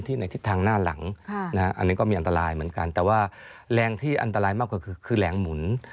ที่อันตรายมากกว่าคือแหลงหมุน